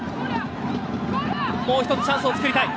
もう１つチャンスを作りたい。